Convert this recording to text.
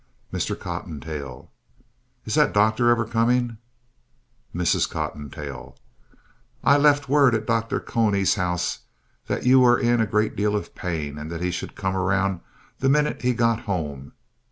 MR. COTTONTAIL Is that doctor ever coming? MRS. COTTONTAIL I left word at Doctor Cony's house that you were in a good deal of pain, and that he should come around the minute he got home.